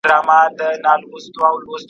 څنګه پر نورو سالم باور کول ذهني ستونزي کموي؟